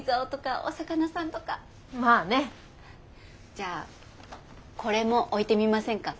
じゃあこれも置いてみませんか。